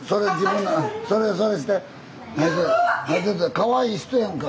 かわいい人やんか。